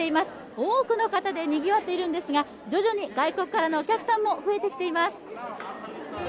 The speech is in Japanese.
多くの方でにぎわっているんですが、徐々に外国からのお客さんも増えてきています。